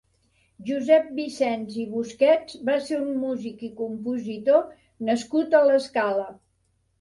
Josep Vicens i Busquets va ser un músic i compositor nascut a l'Escala.